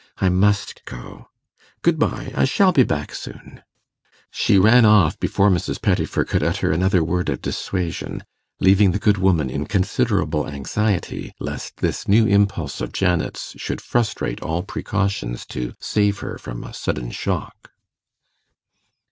I must go. Good bye; I shall be back soon.' She ran off before Mrs. Pettifer could utter another word of dissuasion, leaving the good woman in considerable anxiety lest this new impulse of Janet's should frustrate all precautions to save her from a sudden shock.